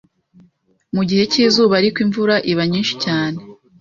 mugihe cyizuba ariko imvura iba nyinshi cyane